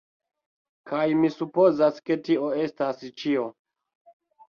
Kaj mi supozas ke tio estas ĉio.